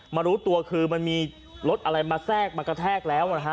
รู้ตัวคือมันมีรถอะไรมาแทรกมากระแทกแล้วนะฮะ